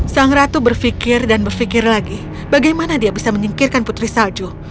sang ratu berpikir dan berpikir lagi bagaimana dia bisa menyingkirkan putri salju